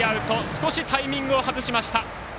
少しタイミングを外しました。